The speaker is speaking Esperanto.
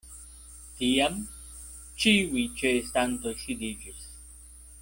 Tiam ĉiuj ĉeestantoj sidiĝis.